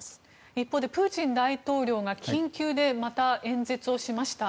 一方で、プーチン大統領が緊急でまた演説をしました。